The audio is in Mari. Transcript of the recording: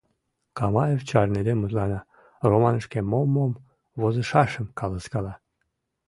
Камаев чарныде мутлана, романышке мом-мом возышашым каласкала...